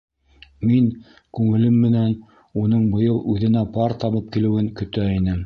Мин күңелем менән уның быйыл үҙенә пар табып килеүен көтә инем.